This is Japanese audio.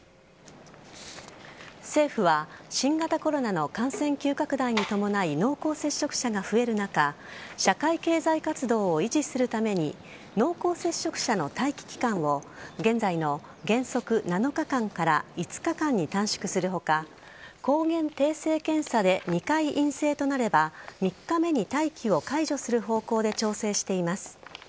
政府は新型コロナの感染急拡大に伴い濃厚接触者が増える中社会経済活動を維持するために濃厚接触者の待機期間を現在の原則７日間から５日間に短縮する他抗原定性検査で２回陰性となれば３日目に待機を解除する方向で調整しています。